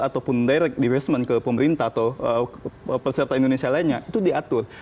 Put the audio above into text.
ataupun direct divestment ke pemerintah atau peserta indonesia lainnya itu diatur